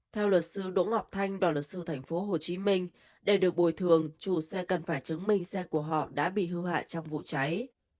theo luật sư đỗ ngọc thanh và luật sư tp hcm để được bồi thường chủ xe cần phải chứng minh xe của họ đã bị hư hại trong vụ cháy